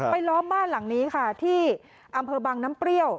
ล้อมบ้านหลังนี้ค่ะที่อำเภอบังน้ำเปรี้ยว